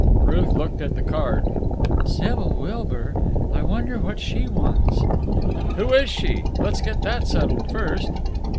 Ruth looked at the card. "Sybil Wilbur? I wonder what she wants." "Who is she? Let's get that settled first."